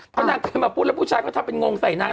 เพราะนางเคยมาพูดแล้วผู้ชายก็ถ้าเป็นงงใส่นาง